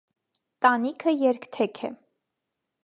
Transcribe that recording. Տանիքը երկթեք է։